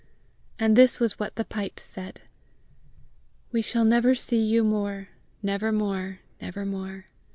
And this was what the pipes said: We shall never see you more, Never more, never more!